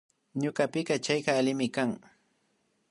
Ñukapika chayka allimi kan